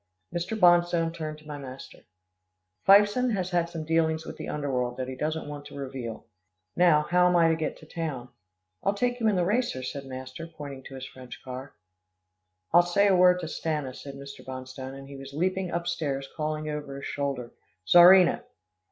Mr. Bonstone turned to my master, "Fifeson has had some dealings with the underworld that he doesn't want to reveal. Now, how am I to get to town?" "I'll take you in the racer," said master pointing to his French car. "I'll say a word to Stanna," said Mr. Bonstone, and he leaped upstairs calling over his shoulder, "Czarina."